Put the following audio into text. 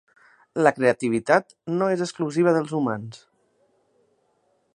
La creativitat no és exclusiva dels humans.